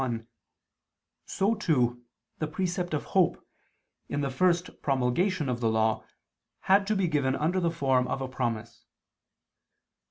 1), so too, the precept of hope, in the first promulgation of the Law, had to be given under the form of a promise.